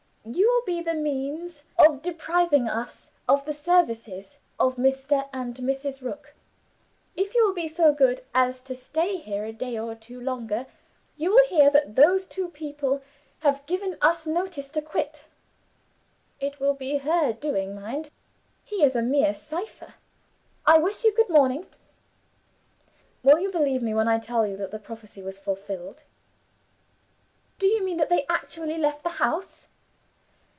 You will be the means of depriving us of the services of Mr. and Mrs. Rook. If you will be so good as to stay here a day or two longer you will hear that those two people have given us notice to quit. It will be her doing, mind he is a mere cypher. I wish you good morning.' Will you believe me, when I tell you that the prophecy was fulfilled?" "Do you mean that they actually left the house?"